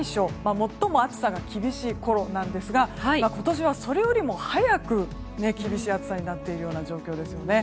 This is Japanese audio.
最も暑さが厳しいころなんですが今年はそれよりも早く厳しい暑さになっている状況ですね。